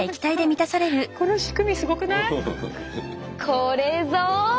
これぞ。